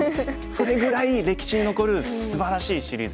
それぐらい歴史に残るすばらしいシリーズでしたね。